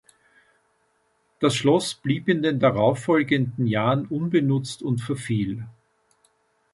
Das Schloss blieb in den darauffolgenden Jahren unbenutzt und verfiel.